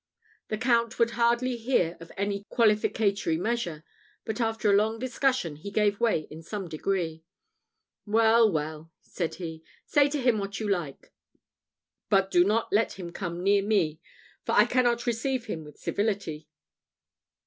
The Count would hardly hear of any qualificatory measure; but, after a long discussion, he gave way in some degree. "Well, well," said he, "say to him what you like, but do not let him come near me, for I cannot receive him with civility."